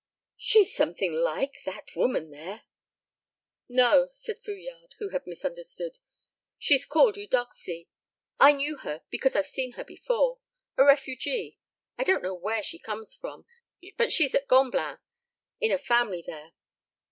"She's something like, that woman there!" "No," said Fouillade, who had misunderstood, "she's called Eudoxie. I knew her because I've seen her before. A refugee. I don't know where she comes from, but she's at Gamblin, in a family there."